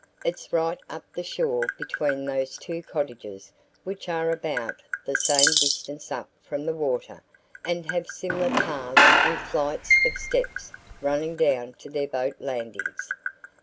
"It's right up the shore between those two cottages which are about the same distance up from the water and have similar paths and flights of steps running down to their boat landings.